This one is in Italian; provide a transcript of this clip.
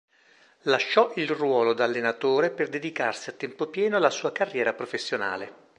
Lasciò il ruolo da allenatore per dedicarsi a tempo pieno alla sua carriera professionale.